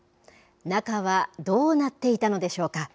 中はどうなっていたのでしょうか。